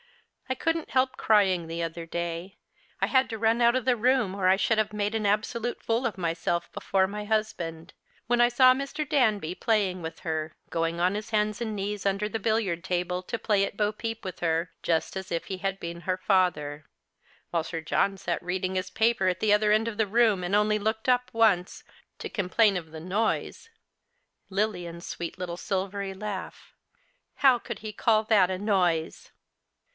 I couldn't help crying the other day — I had to run out of the room, or I should have made an absolute fool of myself Ijefore my husband — when I saw Mr. Danby playing with her, "•oino on his hands and knees under the l)illiard table to play at bo peep with her, just as if he had been her father ; while Sir John sat reading his paper at the other end of the room, and only looked up once, to complain of the noise — Lilian's sweet little silvery laugh ! Plow could he call that a noise